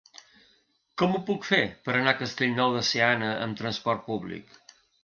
Com ho puc fer per anar a Castellnou de Seana amb trasport públic?